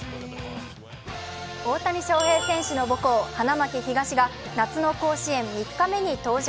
大谷翔平選手の母校花巻東が夏の甲子園３日目に登場。